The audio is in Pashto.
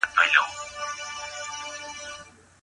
غلام وویل چې الله سخي دی.